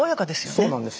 そうなんですよ。